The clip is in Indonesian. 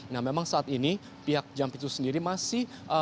nah memang saat ini pihak jampitu sendiri masih